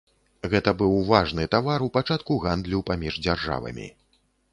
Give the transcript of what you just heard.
Гэта быў важны тавар у пачатку гандлю паміж дзяржавамі.